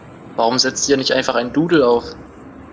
Warum setzt ihr nicht einfach ein Doodle auf?